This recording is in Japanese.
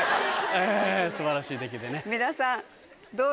ええ素晴らしい出来でね。